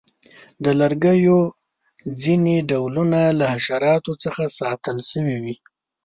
د لرګیو ځینې ډولونه له حشراتو څخه ساتل شوي وي.